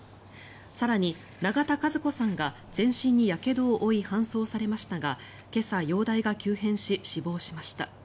更に、永田和子さんが全身にやけどを負い搬送されましたが今朝、容体が急変し死亡しました。